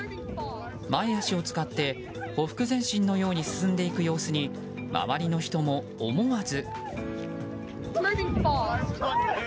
前脚を使ってほふく前進のように進んでいく様子に周りの人も思わず。